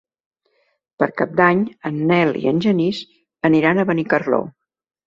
Per Cap d'Any en Nel i en Genís aniran a Benicarló.